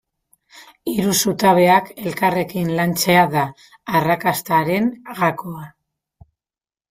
Hiru zutabeak elkarrekin lantzea da arrakastaren gakoa.